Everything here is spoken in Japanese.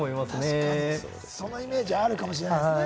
確かに、そのイメージあるかもしれないですね。